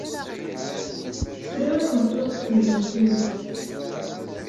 Sriɣ i tmeṭṭut deg tmeddurt-inu.